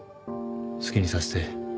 好きにさせて。